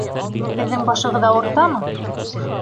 Һеҙҙең башығыҙ ауыртамы?